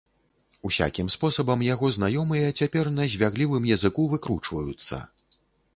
Усякім спосабам яго знаёмыя цяпер на звяглівым языку выкручваюцца.